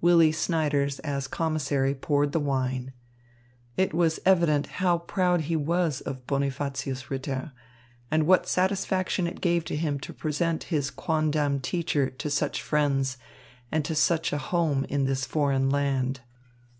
Willy Snyders, as commissary, poured the wine. It was evident how proud he was of Bonifacius Ritter and what satisfaction it gave him to present his quondam teacher to such friends and such a home in this foreign land.